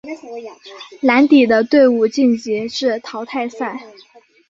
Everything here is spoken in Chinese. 蓝底的队伍晋级至淘汰赛。